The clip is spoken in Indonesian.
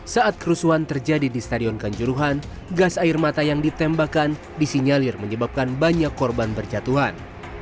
saat kerusuhan terjadi di stadion kanjuruhan gas air mata yang ditembakkan disinyalir menyebabkan banyak korban berjatuhan